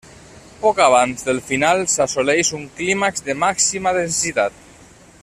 Poc abans del final s'assoleix un clímax de màxima densitat.